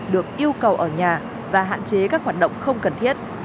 được yêu cầu ở nhà và hạn chế các hoạt động không cần thiết